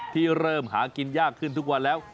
ที่เริ่มหากินยากขึ้นทุกวันแล้ว